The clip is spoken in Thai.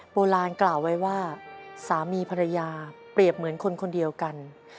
โบราณกล่าวไว้ว่าสามีภรรยาเปรียบเหมือนคนคนเดียวกัน